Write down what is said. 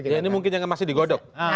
ya ini mungkin yang masih digodok